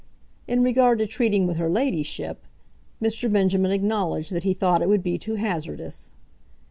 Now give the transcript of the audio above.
In regard to treating with her ladyship, Mr. Benjamin acknowledged that he thought it would be too hazardous.